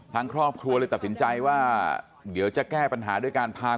ทางครอบครัวเลยตัดสินใจว่าเดี๋ยวจะแก้ปัญหาด้วยการพา